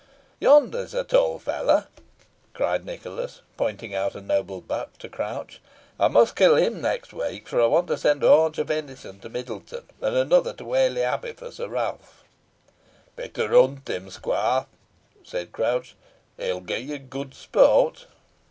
"Yonder is a tall fellow," cried Nicholas, pointing out a noble buck to Crouch; "I must kill him next week, for I want to send a haunch of venison to Middleton, and another to Whalley Abbey for Sir Ralph." "Better hunt him, squoire," said Crouch; "he will gi' ye good sport."